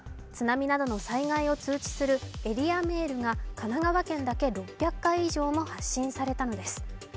津波などの災害を通知するエリアメールが神奈川県だけ６００回以上も発信されたのです。